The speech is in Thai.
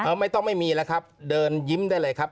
ไม่ต้องไม่มีแล้วครับเดินยิ้มได้เลยครับ